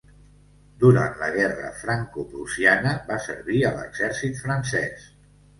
Durant la guerra franco-prussiana, va servir a l"exèrcit francès.